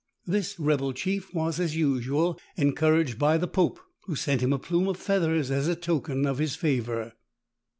This rebel chief was, as usual, encouraged by the pope, who sent him a plume of feathers as a token of his favour.